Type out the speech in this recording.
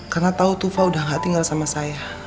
karena tau tufa udah gak tinggal sama saya